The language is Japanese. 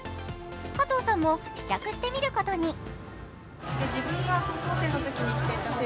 加藤さんも試着してみることに。